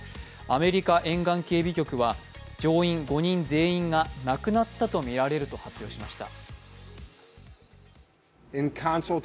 アメリカ沿岸警備局は乗員５人全員が亡くなったとみられると発表しました。